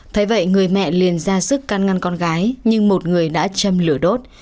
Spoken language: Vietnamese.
thấy vậy người mẹ liền ra sức căn ngăn con gái nhưng một người đã châm lửa đốt